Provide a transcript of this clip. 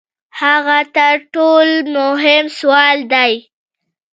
هغه تر ټولو مهم سوال دی.